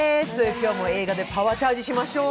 今日も映画でパワーチャージしましょう。